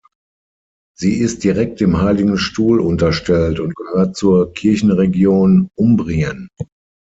Sie ist direkt dem Heiligen Stuhl unterstellt und gehört zur Kirchenregion Umbrien.